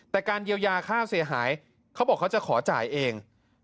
แต่การเยียวยาค่าเสียหายเขาบอกเขาจะขอจ่ายเอง